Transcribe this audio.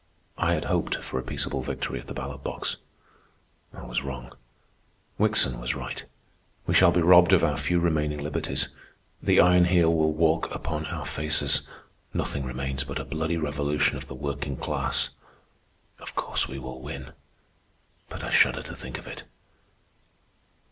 I had hoped for a peaceable victory at the ballot box. I was wrong. Wickson was right. We shall be robbed of our few remaining liberties; the Iron Heel will walk upon our faces; nothing remains but a bloody revolution of the working class. Of course we will win, but I shudder to think of it."